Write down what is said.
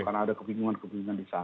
karena ada kebingungan kebingungan di sana